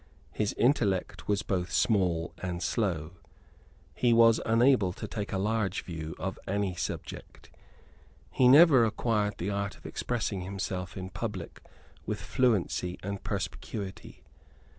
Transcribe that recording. His intellect was both small and slow. He was unable to take a large view of any subject. He never acquired the art of expressing himself in public with fluency and perspicuity.